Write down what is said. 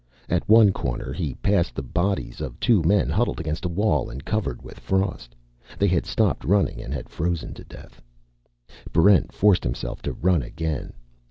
At one corner he passed the bodies of two men huddled against a wall and covered with frost. They had stopped running and had frozen to death. Barrent forced himself to run again.